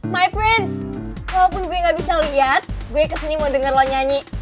my queens walaupun gue gak bisa lihat gue kesini mau denger lo nyanyi